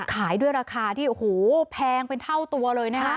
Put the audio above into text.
ขายด้วยราคาที่แพงเป็นเท่าตัวเลย